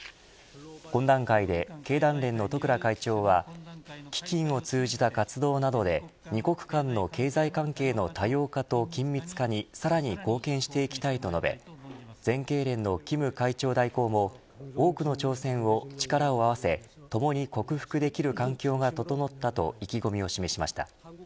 懇談会で経団連の十倉会長は基金を通じた活動などで２国間の経済関係の多様化と緊密化にさらに貢献していきたいと述べ全経連の金会長代行も多くの挑戦を力を合わせ共に克服できる環境が整ったと意気込みを示しました。